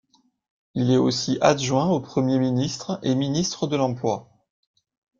Il est aussi adjoint aux Premier Ministre et Ministre de l'Emploi.